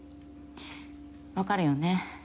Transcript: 分かるよね？